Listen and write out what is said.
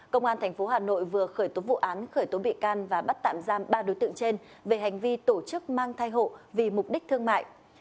công an tp hà nội vừa khởi tố vụ án khởi tố bị can và bắt tạm giam ba đối tượng trên về hành vi tổ chức mang thai hộ vì mục đích thương mại